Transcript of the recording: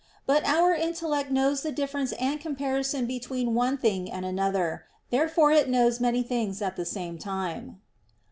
But our intellect knows the difference and comparison between one thing and another. Therefore it knows many things at the same time.